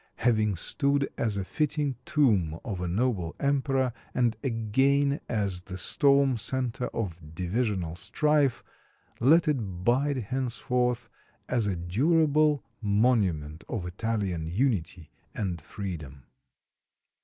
Having stood as a fitting tomb of a noble emperor, and again as the storm center of divisional strife, let it bide henceforth as a durable monument of Italian unity and freedom.